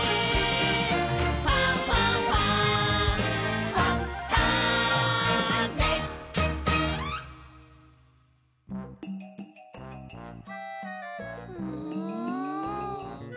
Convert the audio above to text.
「ファンファンファン」ん。